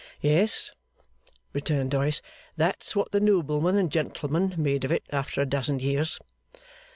'Yes,' returned Doyce, 'that's what the noblemen and gentlemen made of it after a dozen years.